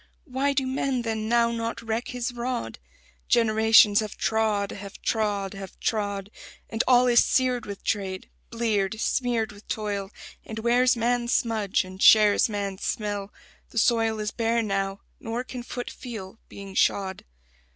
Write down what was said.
Why do men then now not reck his rod? Generations have trod, have trod, have trod; And all is seared with trade; bleared, smeared with toil; And wears man's smudge and shares man's smell: the soil Is bare now, nor can foot feel, being shod.